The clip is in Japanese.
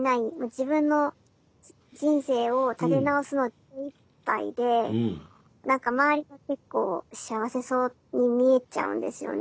自分の人生を立て直すの精いっぱいで何か周りが結構幸せそうに見えちゃうんですよね。